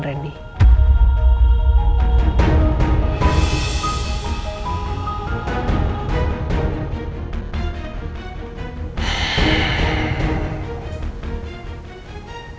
apa yang diketahuin rendy